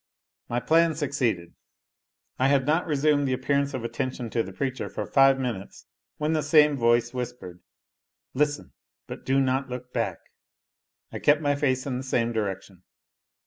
My plan succeeded. I had not resumed the appearance of attention to the preacher for five minutes, when the same voice whispered, "Listen, but do not look back." I kept my face in the same direction.